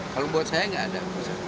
kalau buat saya nggak ada